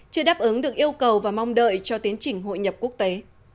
chưa đáp ứng được yêu cầu và mong đợi cho tiến trình hội nhập quốc tế